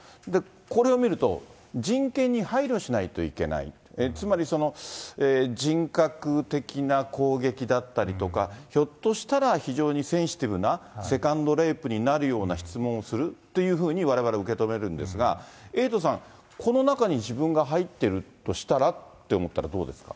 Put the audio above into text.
これを見ると、人権に配慮しないといけない、つまりその、人格的な攻撃だったりとか、ひょっとしたら、非常にセンシティブな、セカンドレイプになるような質問をするっていうふうにわれわれ受け止めるんですが、エイトさん、この中に自分が入っているとしたらと思ったら、どうですか？